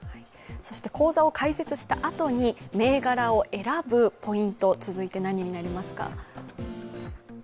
口座を開設したあとに銘柄を選ぶポイント、続いて何になりますか？